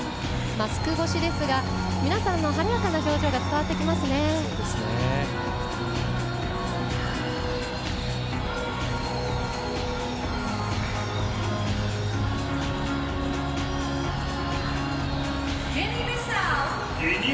マスク越しですが皆さんの晴れやかな表情が伝わってきますね。